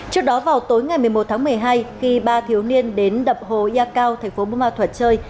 trước đó vào tối ngày một mươi một tháng một mươi hai khi ba thiếu niên đến đập hồ ya cao thành phố bù ma thuật chơi